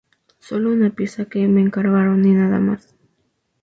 Solo una pieza que me encargaron y nada más.